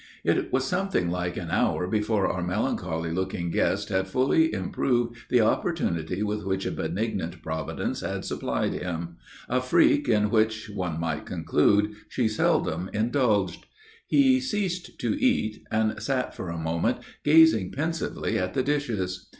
It was something like an hour before our melancholy looking guest had fully improved the opportunity with which a benignant Providence had supplied him, a freak in which, one might conclude, she seldom indulged. He ceased to eat, and sat for a moment gazing pensively at the dishes.